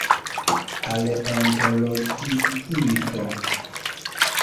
... paleontologiisto